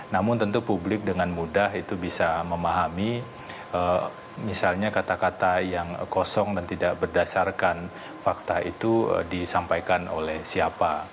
namun tentu publik dengan mudah itu bisa memahami misalnya kata kata yang kosong dan tidak berdasarkan fakta itu disampaikan oleh siapa